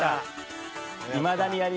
いまだにやります！